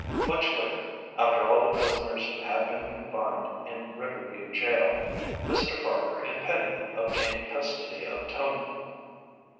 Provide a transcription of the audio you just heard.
Much later, after all the prisoners had been confined in Riverview jail, Mr. Parker and Penny obtained custody of Tony.